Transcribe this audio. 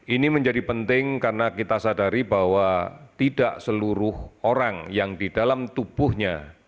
ini menjadi penting karena kita sadari bahwa tidak seluruh orang yang di dalam tubuhnya